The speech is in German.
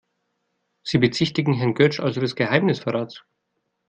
Sie bezichtigen Herrn Götsch also des Geheimnisverrats?